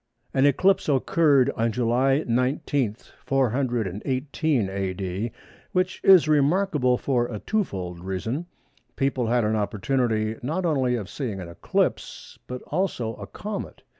An eclipse occurred on July 19, 418 A.D., which is remarkable for a twofold reason. People had an opportunity not only of seeing an eclipse, but also a comet.